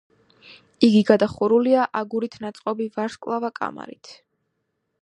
იგი გადახურულია აგურით ნაწყობი ვარსკვლავა კამარით.